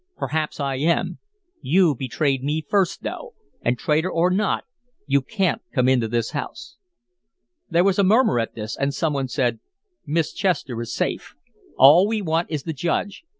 "Perhaps I am. You betrayed me first, though; and, traitor or not, you can't come into this house." There was a murmur at this, and some one said: "Miss Chester is safe. All we want is the Judge.